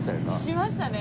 しましたね。